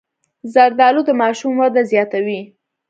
زردالو د ماشوم وده زیاتوي.